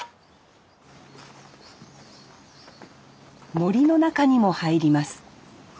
森の中にも入ります。